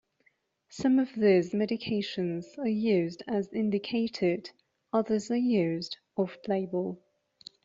Some of these medications are used as indicated, others are used off-label.